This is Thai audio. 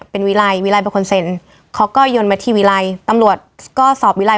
เป็นวิลัยวิรัยเป็นคนเซ็นเขาก็ยนต์มาทีวีไรตำรวจก็สอบวิรัย